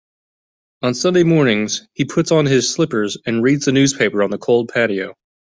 On Sunday mornings, he puts on his slippers and reads the newspaper on the cold patio.